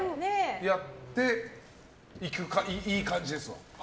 やって、いい感じですわ。